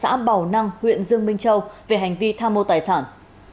họ đã bảo năng huyện dương minh châu về hành vi tham mô tài sản